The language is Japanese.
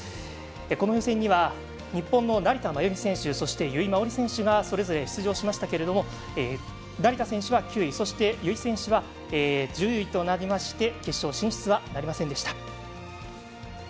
この予選には日本の成田真由美由井真緒里選手がそれぞれ出場しましたけど成田選手は９位由井選手は１０位となりまして決勝進出はなりませんでした。